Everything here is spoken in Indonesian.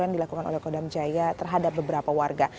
yang dilakukan oleh kodam jaya terhadap beberapa warga